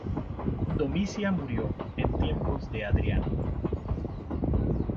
Domicia murió en tiempos de Adriano.